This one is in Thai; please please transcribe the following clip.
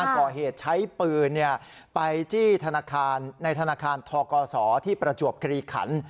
ก่อเหตุใช้ปืนไปจี้ธนาคารในธนาคารทกศที่ประจวบคลีขัน